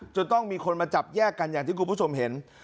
จนต้องมีคนมาจับแยกกันอย่างที่คุณผู้ชมเห็น